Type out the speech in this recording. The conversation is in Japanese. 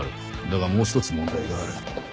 だがもう一つ問題がある。